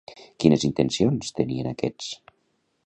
Quines intencions tenien aquests?